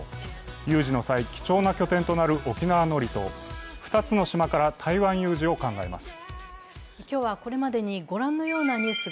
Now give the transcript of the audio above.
有事の際、貴重な拠点となる沖縄の離島、２つの島から台湾有事を考えます。